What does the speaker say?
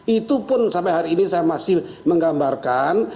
itu pun sampai hari ini saya masih menggambarkan